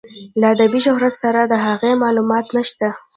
له ادبي شهرت سره د هغه معلومات نشته.